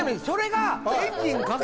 それが。